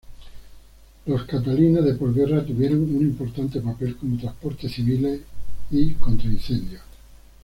Los Catalina de posguerra tuvieron un importante papel como transportes civiles y contra incendios.